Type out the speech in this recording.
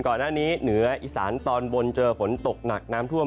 ก่อนหน้านี้เหนืออิสานตอนบนเจอฝนตกหนักน้ำท่วม